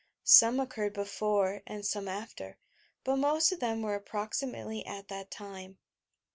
Some occurred before and some after, but most of them were approximately at that time.